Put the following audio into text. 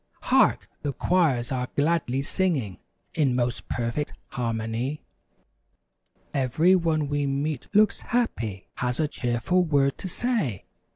Hark! The choirs are gladly singing In most perfect harmony. Every one we meet looks happy; Has a cheerful word to say.